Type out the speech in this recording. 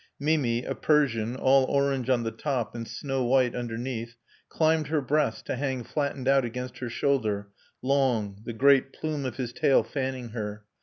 Mimi, a Persian, all orange on the top and snow white underneath, climbed her breast to hang flattened out against her shoulder, long, the great plume of his tail fanning her.